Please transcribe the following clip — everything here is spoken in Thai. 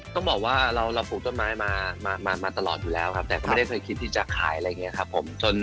ต้องบอกว่าเราปลูกต้นไม้มาตลอดอยู่แล้วครับแต่ก็ไม่ได้เคยคิดที่จะขายอะไรอย่างนี้ครับผม